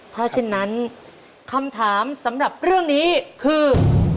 ถ้าเช่นนั้นคำถามสำหรับเรื่องนี้คือ